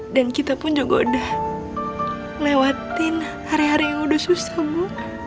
dan kita pun juga udah lewatin hari hari yang udah susah bu